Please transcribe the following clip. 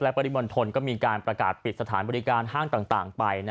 ปริมณฑลก็มีการประกาศปิดสถานบริการห้างต่างไป